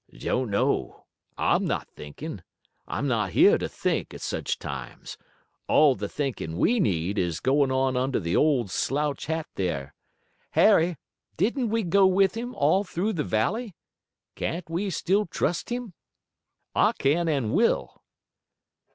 "Don't know. I'm not thinking. I'm not here to think at such times. All the thinking we need is going on under the old slouch hat there. Harry, didn't we go with him all through the valley? Can't we still trust him?" "I can and will."